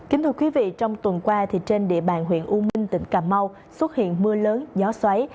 kính thưa quý vị trong tuần qua trên địa bàn huyện u minh tỉnh cà mau xuất hiện mưa lớn gió xoáy